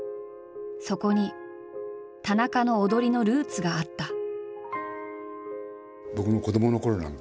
そこに田中の踊りのルーツがあった。